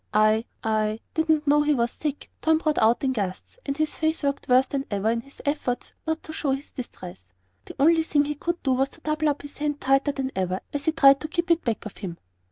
"I I didn't know he was sick." Tom brought it out in gusts, and his face worked worse than ever in his efforts not to show his distress. The only thing he could do was to double up his hand tighter than ever, as he tried to keep it back of him.